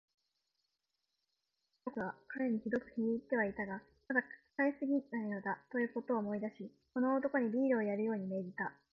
ところで、バルナバスは彼にひどく気に入ってはいたが、ただの使いにすぎないのだ、ということを思い出し、この男にビールをやるように命じた。